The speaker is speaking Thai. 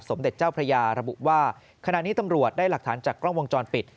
สมเด็จเจ้าพระยาระบุว่าขณะนี้ตำรวจได้หลักฐานจากกล้องวงจรปิด